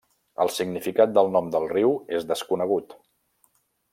El significat del nom del riu és desconegut.